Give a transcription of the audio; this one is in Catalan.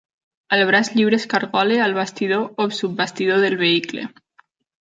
El braç lliure es cargola al bastidor o subbastidor del vehicle.